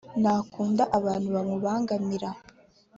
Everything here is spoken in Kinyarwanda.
ntakunda abantu bamubangamira